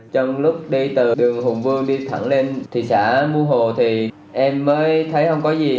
trong lúc đi từ đường hùng vương đi thẳng lên thị xã mua hồ thì em mới thấy không có gì